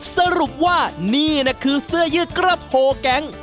สรุปว่านี่นะคือเสื้อยืดกระโพแก๊ง